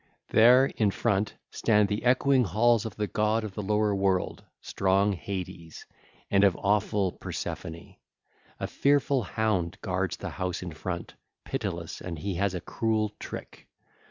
(ll. 767 774) There, in front, stand the echoing halls of the god of the lower world, strong Hades, and of awful Persephone. A fearful hound guards the house in front, pitiless, and he has a cruel trick.